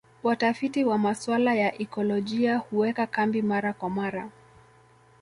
Watafiti wa masuala ya ekolojia huweka kambi mara kwa mara